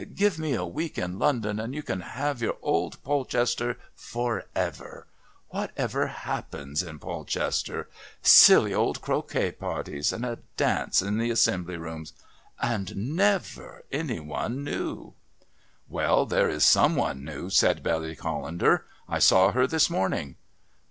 Give me a week in London and you can have your old Polchester for ever. What ever happens in Polchester? Silly old croquet parties and a dance in the Assembly Rooms. And never any one new." "Well, there is some one new," said Betty Callender, "I saw her this morning."